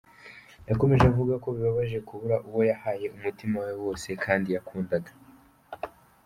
Yakomeje avuga ko bibabaje kubura uwo yahaye umutima we wose, kandi yakundaga.